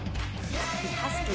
ハスキー。